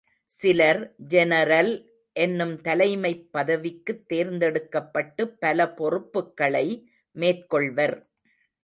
சிலர் ஜெனரல் என்னும் தலைமைப் பதவிக்குத் தேர்ந்தெடுக்கப்பட்டுப் பல பொறுப்புக்களை மேற்கொள்வர்.